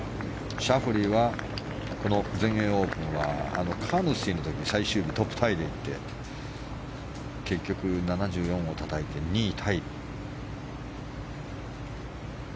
シャフリーは、全英オープンはカーヌスティの時に最終日、トップタイでいって結局７４をたたいて２位タイ。